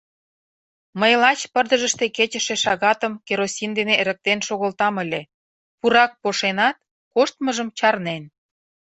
Мый лач пырдыжыште кечыше шагатым керосин дене эрыктен шогылтам ыле — пурак пошенат, коштмыжым чарнен.